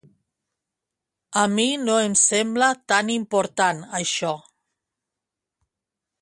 A mi no em sembla tan important això.